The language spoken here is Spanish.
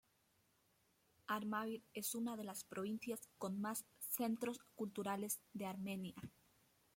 Armavir es una de las provincias con más centros culturales de Armenia.